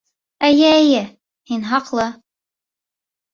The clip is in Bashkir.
Эйе, эйе! һин хаҡлы!